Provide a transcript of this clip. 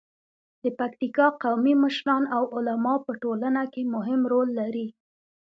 د پکتیکا قومي مشران او علما په ټولنه کې مهم رول لري.